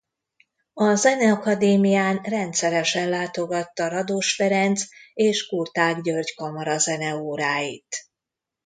A Zeneakadémián rendszeresen látogatta Rados Ferenc és Kurtág György kamarazene óráit.